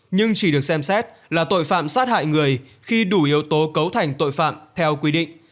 nhưng chỉ được xem xét là tội phạm sát hại người khi đủ yếu tố cấu thành tội phạm theo quy định